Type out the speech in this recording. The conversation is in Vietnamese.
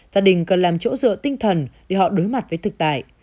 gia đình cần làm chỗ dựa tinh thần để họ đối mặt với thực tại